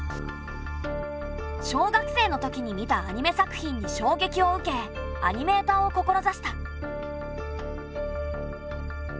小学生のときに見たアニメ作品にしょうげきを受けアニメーターを志した。